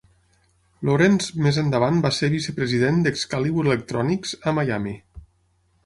Lawrence més endavant va ser vicepresident d'Excalibur Electronics a Miami.